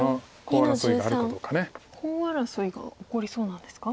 コウ争いが起こりそうなんですか？